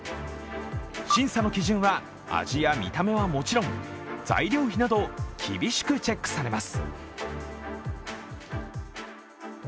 審査の基準は、味や見た目はもちろん材料費など厳しくチェックされます。